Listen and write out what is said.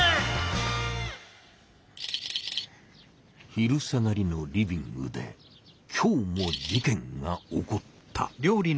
昼下がりのリビングで今日も事件が起こった。